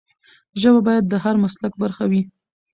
ژبه باید د هر مسلک برخه وي.